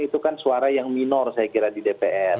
itu kan suara yang minor saya kira di dpr